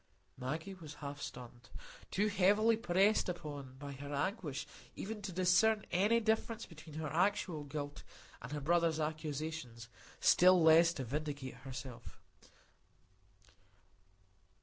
Maggie was half stunned,—too heavily pressed upon by her anguish even to discern any difference between her actual guilt and her brother's accusations, still less to vindicate herself.